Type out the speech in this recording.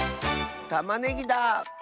たまねぎだ！